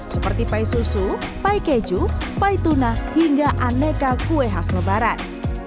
seperti pay susu pay keju pay tuna hingga aneka kue khas lebaran